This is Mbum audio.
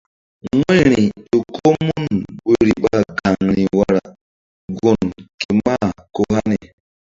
Wu̧yri ƴo ko mun woyri ɓa gaŋri wara gun ke mah ko hani.